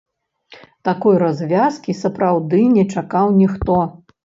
Такой развязкі сапраўды не чакаў ніхто.